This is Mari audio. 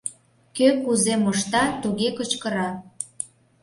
Кӧ кузе мошта, туге кычкыра.